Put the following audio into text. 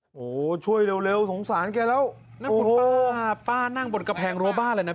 โอ้โหช่วยเร็วเร็วสงสารแกแล้วโอ้โหป้านั่งบนกระแพงรัวบ้าเลยนะ